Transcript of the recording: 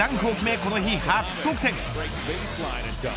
この日、初得点。